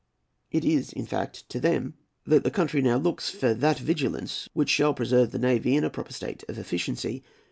It is, in fact, to them that the country now looks for that vigilance which shall preserve the navy in a proper state of efficiency.